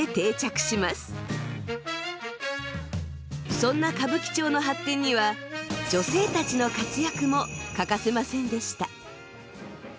そんな歌舞伎町の発展には女性たちの活躍も欠かせませんでした。